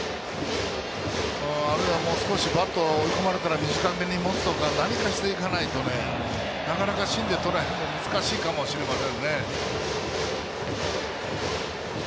あるいは、もう少しバットを追い込まれたら短めに持つとか何かしていかないとなかなか、芯でとらえるのは難しいかもしれませんね。